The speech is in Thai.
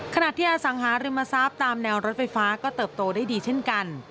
ขณะที่อสังหาริมทรัพย์ตามแนวรถไฟฟ้าก็เติบโตได้ดีเช่นกัน